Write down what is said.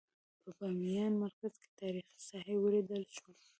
په بامیان مرکز کې تاریخي ساحې ولیدل شوې.